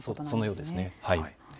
そのようですね。